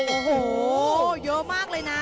โอ้โหเยอะมากเลยนะ